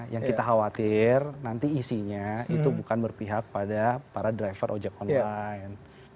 yang kita khawatir nanti isinya itu bukan berpihak pada para driver ojek online